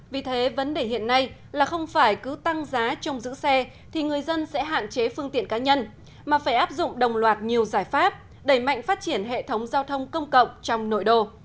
vì thế vấn đề hiện nay là không phải cứ tăng giá trong giữ xe thì người dân sẽ hạn chế phương tiện cá nhân mà phải áp dụng đồng loạt nhiều giải pháp đẩy mạnh phát triển hệ thống giao thông công cộng trong nội đô